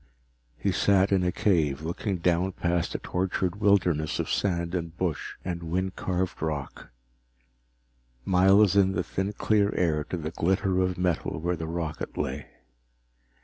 He sat in a cave, looking down past a tortured wilderness of sand and bush and wind carved rock, miles in the thin clear air to the glitter of metal where the rocket lay.